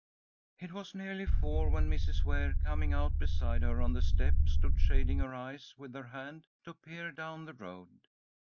It was nearly four when Mrs. Ware, coming out beside her on the step, stood shading her eyes with her hand to peer down the road.